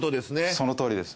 そのとおりです。